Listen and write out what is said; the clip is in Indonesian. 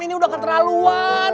ini udah keterlaluan